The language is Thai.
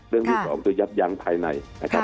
เรื่อง๓๒จะยับยางภายใน